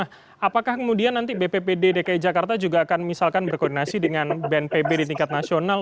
nah apakah kemudian nanti bppd dki jakarta juga akan misalkan berkoordinasi dengan bnpb di tingkat nasional